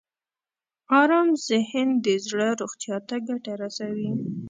ارام ذهن د زړه روغتیا ته ګټه رسوي.